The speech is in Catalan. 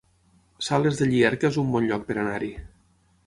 Sales de Llierca es un bon lloc per anar-hi